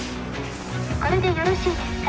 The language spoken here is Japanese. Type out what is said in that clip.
「これでよろしいですか？